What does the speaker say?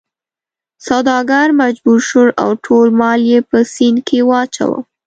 سوداګر مجبور شو او ټول مال یې په سیند کې واچاوه.